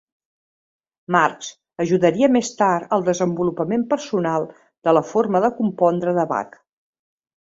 Marx ajudaria més tard al desenvolupament personal de la forma de compondre de Bach.